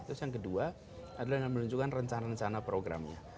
terus yang kedua adalah menunjukkan rencana rencana programnya